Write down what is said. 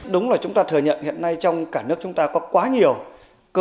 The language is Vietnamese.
đúng là chúng ta thừa nhận hiện nay trong cả nước chúng ta có quá nhiều cơ sở